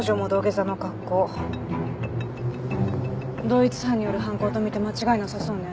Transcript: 同一犯による犯行とみて間違いなさそうね。